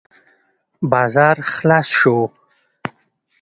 بازار خلاص شو.